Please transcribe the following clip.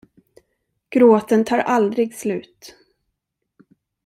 Gråten tar aldrig slut.